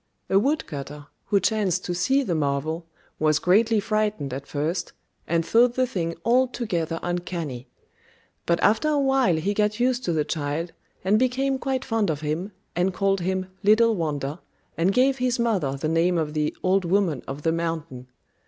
A woodcutter, who chanced to see the marvel, was greatly frightened at first, and thought the thing altogether uncanny; but after a while he got used to the child, and became quite fond of him, and called him "Little Wonder," and gave his mother the name of the "Old Woman of the Mountain."